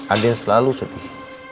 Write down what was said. adin selalu sedih